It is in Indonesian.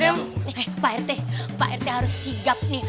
eh pak rete pak rete harus sigap nih